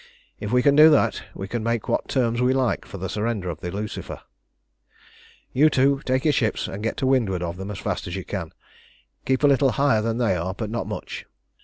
If we can do that, we can make what terms we like for the surrender of the Lucifer. "You two take your ships and get to windward of them as fast as you can. Keep a little higher than they are, but not much.